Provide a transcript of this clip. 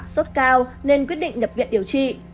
sốt cao nên quyết định nhập viện điều trị